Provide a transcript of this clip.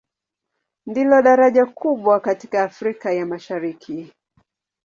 Ndilo daraja kubwa katika Afrika ya Mashariki.